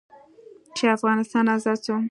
چې افغانستان ازاد سو.